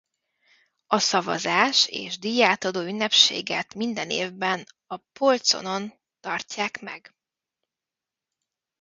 A szavazás és díjátadó ünnepséget minden évben a Polcon-on tartják meg.